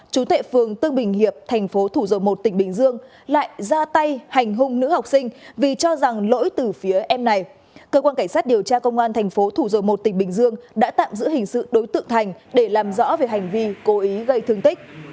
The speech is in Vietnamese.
cảnh sát điều tra công an tp thủ dầu một tỉnh bình dương đã tạm giữ hình sự đối tượng thành để làm rõ về hành vi cố ý gây thương tích